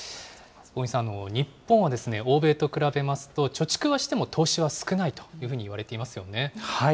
小國さん、日本は欧米と比べますと、貯蓄はしても投資は少ないというふうにいわれていますよね。